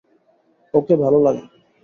ওকে ভালো লাগে।